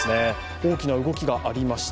大きな動きがありました。